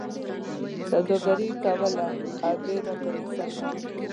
سوداګري یې کوله، ادې را ته کیسه کوله.